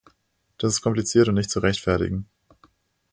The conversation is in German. Das ist kompliziert und nicht zu rechtfertigen.